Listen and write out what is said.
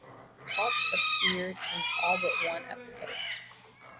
Potts appeared in all but one episode.